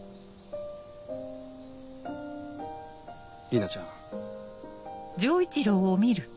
莉奈ちゃん？